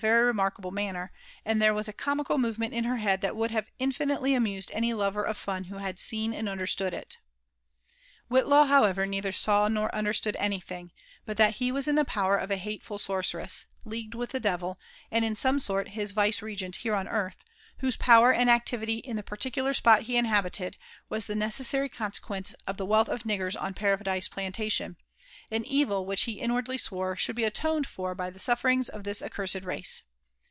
very remarkable manner, and there was a comical movement in her head that would have infinitely amused any lover of fun who had seen and understood it. Whitlaw, however, neither saw nor understood anything, but that he was in the power of a hateful sorceress, leagued with the devil, and in some sort his vicegerent here on earth, whose power and activity in the particular spot he inhabited was the necessary consequence of the " wealth of niggers'' on Paradise Plantation ; an evil which he in wardly swore should be atoned for by the sufferings of this accursed race.